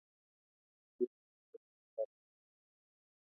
kiameche kotoreton.